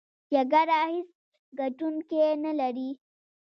جګړه هېڅ ګټوونکی نلري!